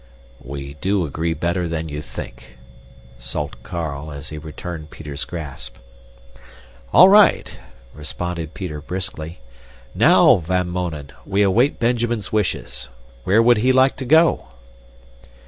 "We do agree better than you think," sulked Carl as he returned Peter's grasp. "All right," responded Peter briskly. "Now, Van Mounen, we await Benjamin's wishes. Where would he like to go?"